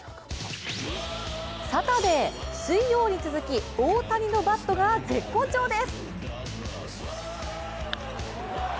サタデー、水曜に続き大谷のバットが絶好調です。